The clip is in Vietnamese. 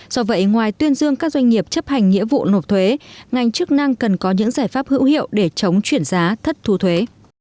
do vậy ngoài tuyên dương các doanh nghiệp chấp hành nghĩa vụ nộp thuế ngành chức năng cần có những giải pháp hữu hiệu để chống chuyển giá thất thu thuế